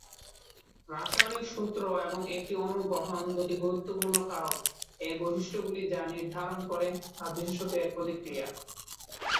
রাসায়নিক সূত্র এবং একটি অণুর গঠন দুটি গুরুত্বপূর্ণ কারণ এর বৈশিষ্ট্যগুলি যা নির্ধারণ করে, তা বিশেষত এর প্রতিক্রিয়া।